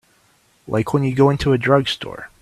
Like when you go into a drugstore.